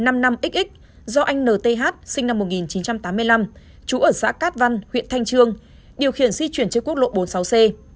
ba mươi bảy m năm mươi năm xx do anh n t h sinh năm một nghìn chín trăm tám mươi năm trú ở xã cát văn huyện thanh trương điều khiển di chuyển trên quốc lộ bốn mươi sáu c